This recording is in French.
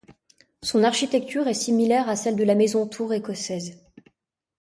Son architecture est similaire à celle de la maison-tour écossaise.